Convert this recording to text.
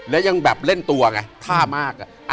แล้วยังแบบเล่นตัวไงท่ามาก